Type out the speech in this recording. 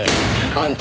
あんた！